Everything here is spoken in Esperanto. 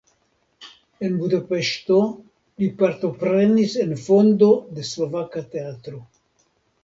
En Budapeŝto li partoprenis en fondo de slovaka teatro.